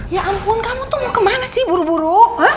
ya ampun kamu tuh mau kemana sih buru buru